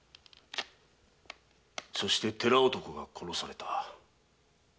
そして寺男が殺された。